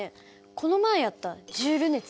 この前やったジュール熱？